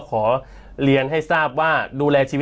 มีตัวอย่างให้ดูไหม